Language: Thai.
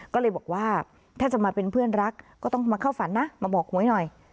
ก็เลยบอกว่าถ้าจะมาเป็นเพื่อนรักก็ต้องมาเข้าฝันนะมาบอกหวยหน่อย